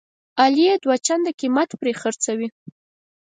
علي یې دوه چنده قیمت پرې خرڅوي.